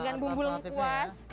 dengan bumbu lengkuas